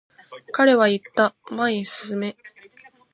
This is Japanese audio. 彼は言った、前へ進め。